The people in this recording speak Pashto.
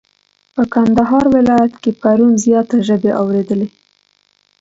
په کندهار ولايت کي پرون زياته ژبی اوريدلې.